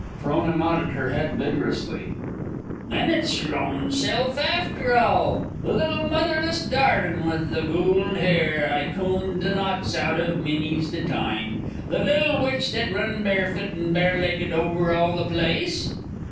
Frona nodded her head vigorously. "Thin it's yer ownself afther all? The little motherless darlin', with the goold hair I combed the knots out iv many's the time? The little witch that run barefoot an' barelegged over all the place?"